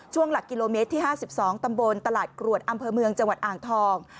หลักกิโลเมตรที่๕๒ตำบลตลาดกรวดอำเภอเมืองจังหวัดอ่างทอง